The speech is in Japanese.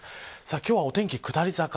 今日はお天気下り坂。